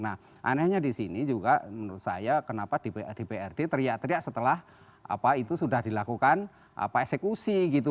nah anehnya di sini juga menurut saya kenapa dprd teriak teriak setelah itu sudah dilakukan eksekusi gitu